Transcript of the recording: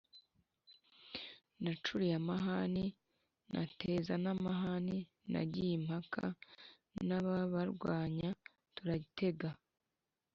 Nacuriye amahari: nateze n’amahari nagiye impaka n’ababarwanya turatega